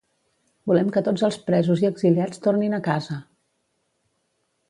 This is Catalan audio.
Volem que tots els presos i exiliats tornin a casa!